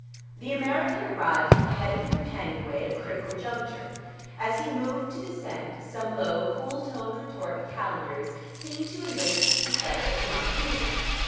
The American arrived at the head of the companionway at a critical juncture. As he moved to descend some low, cool toned retort of Calendar's seemed to enrage his confederate beyond reason.